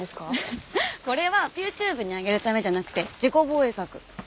これはピューチューブに上げるためじゃなくて自己防衛策。